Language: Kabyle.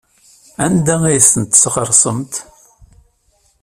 Anda ay tent-tesɣersemt?